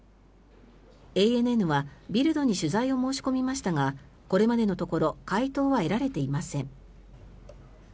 ＡＮＮはビルドに取材を申し込みましたがこれまでのところ回答は得られていません。